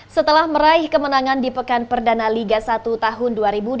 setelah meraih kemenangan di pekan perdana liga satu tahun dua ribu dua puluh